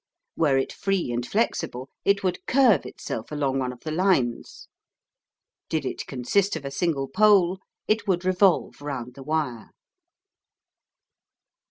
Were it free and flexible, it would curve itself along one of the lines. Did it consist of a single pole, it would revolve round the wire.